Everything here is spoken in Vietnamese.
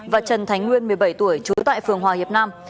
và trần thánh nguyên một mươi bảy tuổi trú tại phường hòa hiệp nam